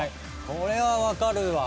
これは分かるわ！